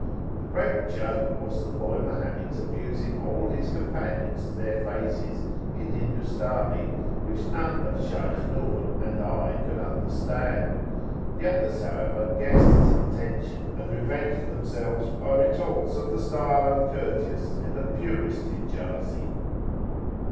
The great joke was the boy Mohammed's abusing all his companions to their faces in Hindustani, which none but Shaykh Nur and I could understand; the others, however, guessed his intention, and revenged themselves by retorts of the style uncourteous in the purest Hijazi.